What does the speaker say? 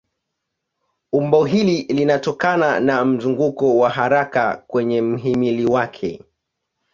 Umbo hili linatokana na mzunguko wa haraka kwenye mhimili wake.